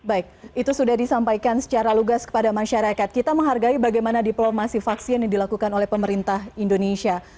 baik itu sudah disampaikan secara lugas kepada masyarakat kita menghargai bagaimana diplomasi vaksin yang dilakukan oleh pemerintah indonesia